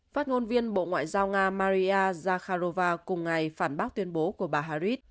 phát ngôn viên bộ ngoại giao nga maria zakharova cùng ngày phản bác tuyên bố của bà harris